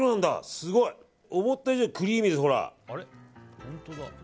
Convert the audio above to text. すごい。思った以上にクリーミーです。